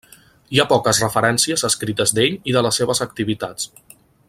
Hi ha poques referències escrites d'ell i de les seves activitats.